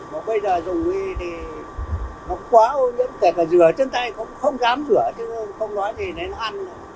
và bây giờ dùng đi thì nó quá ô nhiễm tất cả rửa chân tay cũng không dám rửa chứ không nói gì đến ăn